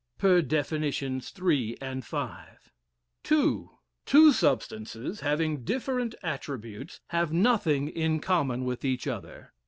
Per definitions three and five. II. Two substances, having different attributes, have nothing in common with each other.